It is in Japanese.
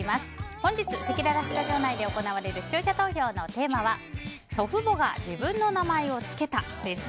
本日、せきららスタジオ内で行われる視聴者投票のテーマは祖父母が自分の名前をつけたです。